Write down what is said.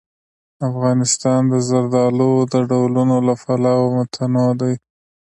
افغانستان د زردالو د ډولونو له پلوه متنوع دی.